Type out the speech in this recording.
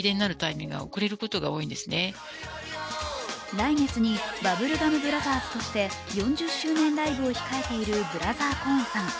来月にバブルガムブラザーズとして４０周年記念ライブを控えているブラザー・コーンさん。